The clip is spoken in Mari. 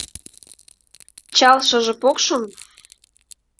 Чал шыже покшым?